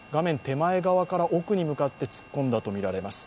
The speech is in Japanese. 手前側から奥に向かって突っ込んだとみられます。